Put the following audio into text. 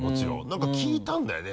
何か聞いたんだよね。